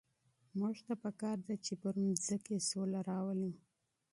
موږ ته په کار ده چي پر مځکي سوله راولو.